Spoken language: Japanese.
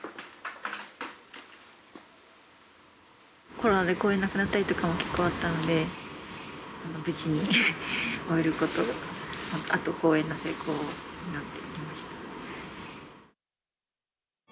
コロナで公演なくなったりとかも結構あったので、無事に終えることを、あと公演の成功を祈ってきました。